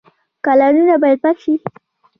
کانالونه باید پاک شي